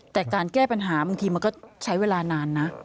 แต่การแก้ปัญหาบางทีมันก็ใช้เวลานานนะ